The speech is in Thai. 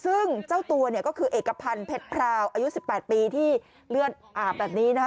ซึ่งเจ้าตัวเนี่ยก็คือเอกพันธ์เพชรพราวอายุ๑๘ปีที่เลือดอาบแบบนี้นะคะ